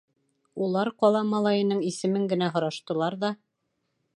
Улар ҡала малайының исемен генә һораштылар ҙа: